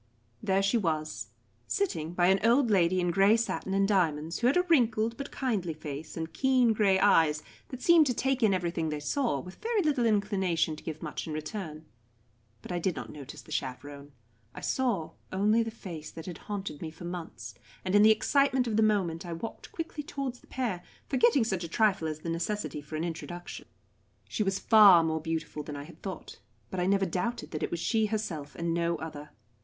There she was, sitting by an old lady in grey satin and diamonds, who had a wrinkled but kindly face and keen grey eyes that seemed to take in everything they saw, with very little inclination to give much in return. But I did not notice the chaperon. I saw only the face that had haunted me for months, and in the excitement of the moment I walked quickly towards the pair, forgetting such a trifle as the necessity for an introduction. She was far more beautiful than I had thought, but I never doubted that it was she herself and no other.